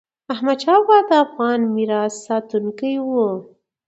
احمدشاه بابا د افغان میراث ساتونکی و.